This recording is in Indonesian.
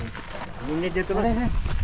ini dia mas